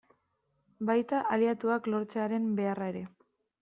Baita, aliatuak lortzearen beharra ere.